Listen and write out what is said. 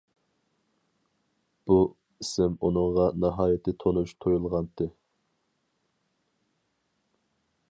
بۇ ئىسىم ئۇنىڭغا ناھايىتى تونۇش تۇيۇلغانتى.